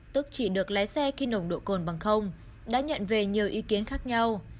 tức chỉ được lái xe khi nồng độ cồn bằng không đã nhận về nhiều ý kiến khác nhau